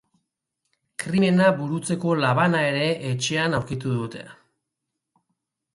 Krimena burutzeko labana ere etxean aurkitu dute.